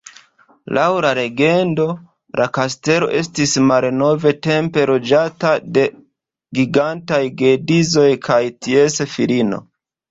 Laŭ la legendo, la kastelo estis malnovtempe loĝata de gigantaj geedzoj kaj ties filino.